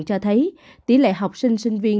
cho thấy tỷ lệ học sinh sinh viên